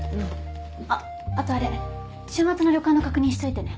あっあとあれ週末の旅館の確認しといてね。